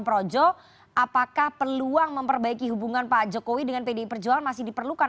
projo apakah peluang memperbaiki hubungan pak jokowi dengan pdi perjuangan masih diperlukan